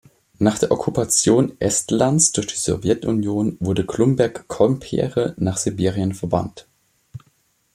Nach der Okkupation Estlands durch die Sowjetunion wurde Klumberg-Kolmpere nach Sibirien verbannt.